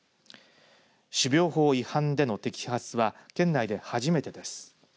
種苗法違反での摘発は県内で初めてです。